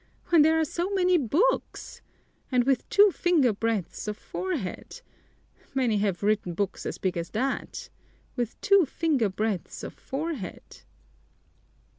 When there are so many books! And with two fingerbreadths of forehead! Many have written books as big as that! With two fingerbreadths of forehead!"